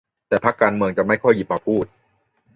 แต่พรรคการเมืองจะไม่ค่อยหยิบมาพูด